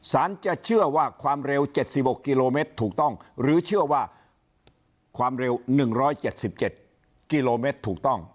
จะเชื่อว่าความเร็ว๗๖กิโลเมตรถูกต้องหรือเชื่อว่าความเร็ว๑๗๗กิโลเมตรถูกต้อง